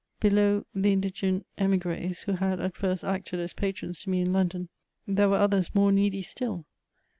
Below the indigent emigreSy who had at first acted as patrons to me in London, there were others more needy still.